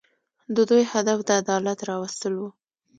د دوی هدف د عدالت راوستل وو.